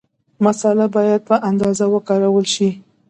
مساله باید په اندازه وکارول شي.